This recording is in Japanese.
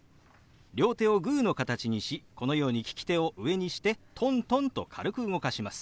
両手をグーの形にしこのように利き手を上にしてトントンと軽く動かします。